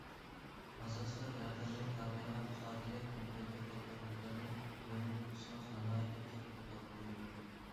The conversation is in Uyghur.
ئاساسلىقى رەقەملىك كامېرا، خاتىرە كومپيۇتېر قاتارلىقلارنى رېمونت قىلسىڭىز، ناھايىتى كۆپ پۇل تاپقىلى بولىدۇ.